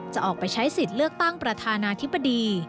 จะออกไปใช้สิทธิ์เลือกตั้งประธานาธิบดี